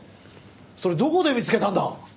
それどこで見つけたんだ？